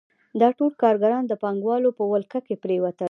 دا ټول کارګران د پانګوالو په ولکه کې پرېوتل